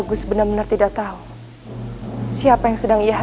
dia sengaja menyembunyikannya